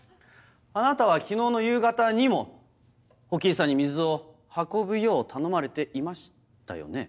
あなたは昨日の夕方にも火鬼壱さんに水を運ぶよう頼まれていましたよね？